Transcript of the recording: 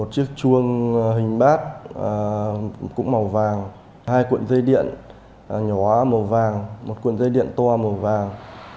một chiếc chuông hình bát cũng màu vàng hai cuộn dây điện nhỏ màu vàng một cuộn dây điện toa màu vàng